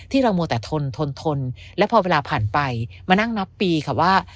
เรามัวแต่ทนทนทนและพอเวลาผ่านไปมานั่งนับปีค่ะว่า